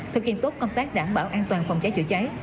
thực hiện tốt công tác đảm bảo an toàn phòng cháy chữa cháy